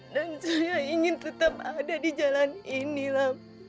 dan saya ingin tetap ada di jalan ini lam